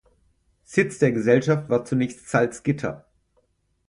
Sitz der Gesellschaft war zunächst Salzgitter.